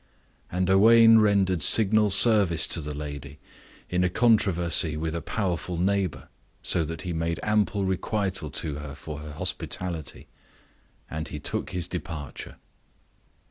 And Owain rendered signal service to the lady, in a controversy with a powerful neighbor, so that he made ample requital to her for her hospitality; and he took his departure.